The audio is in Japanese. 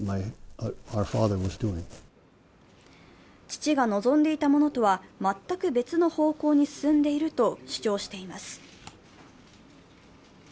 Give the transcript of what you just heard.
父が望んでいたものとは全く別の方向に進んでいると主張しています。